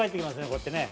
こうやってね。